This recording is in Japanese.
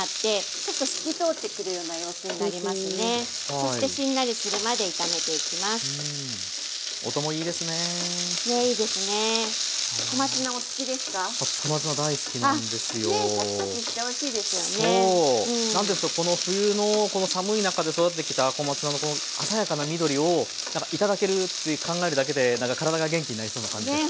何ていうんですか冬のこの寒い中で育ってきた小松菜のこの鮮やかな緑をなんか頂けるって考えるだけでからだが元気になりそうな感じですね。